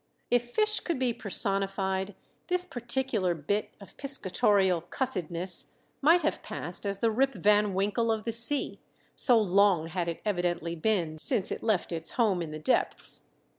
If fish could be personified, this particular bit of piscatorial cussedness might have passed as the Rip Van Winkle of the Sea, so long had it evidently been since it left its home in the depths.